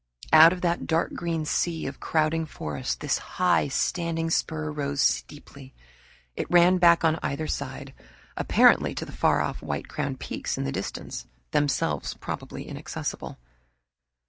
Out of that dark green sea of crowding forest this high standing spur rose steeply. It ran back on either side, apparently, to the far off white crowned peaks in the distance, themselves probably inaccessible.